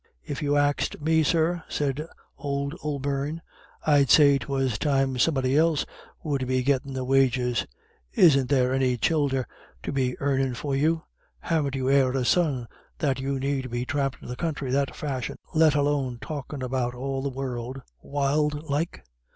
"If you axed me, sir," said old O'Beirne, "I'd say 'twas time somebody else would be gettin' the wages. Isn't there any childer to be earnin' for you? Haven't you e'er a son, that you need be thrampin' the counthry that fashion, let alone talkin' about all the world, wild like?"